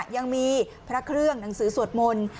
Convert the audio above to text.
ยังมีพระเครื่องหนังสือสวดมนต์